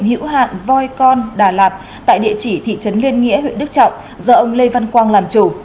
hữu hạn voi con đà lạt tại địa chỉ thị trấn liên nghĩa huyện đức trọng do ông lê văn quang làm chủ